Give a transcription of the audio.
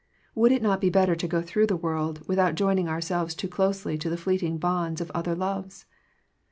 Would it not be better to go through the world, with out joining ourselves too closely to the fleeting bonds of other loves